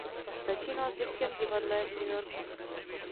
Začínal v dětském divadle v New Yorku.